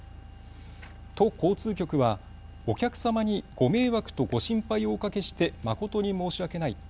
都交通局は、お客様にご迷惑とご心配をおかけして誠に申し訳ない。